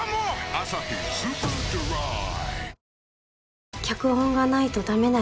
「アサヒスーパードライ」